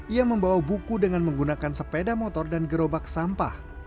ia membawa buku dengan menggunakan sepeda motor dan gerobak sampah